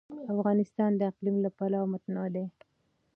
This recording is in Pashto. افغانستان د اقلیم له پلوه متنوع دی.